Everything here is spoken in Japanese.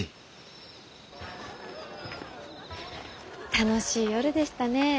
楽しい夜でしたね。